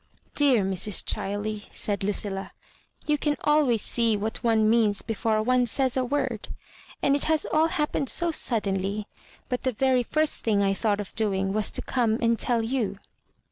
"Dear Mrs. Chiley," ssdd Ludlla, "you can always see what one means before one says a word. Ajid it haa all happened so suddenly; but the very first thing I thought of doing was to come and tell you."